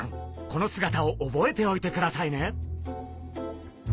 この姿を覚えておいてくださいね！